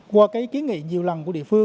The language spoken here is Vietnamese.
qua cái kiến nghị nhiều lần của địa phương